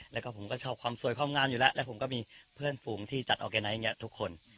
แล้วก็ผมก็ชอบความสวยความงามอยู่แล้วแล้วผมก็มีเพื่อนฝูงที่จัดออร์แกไนท์อย่างนี้ทุกคน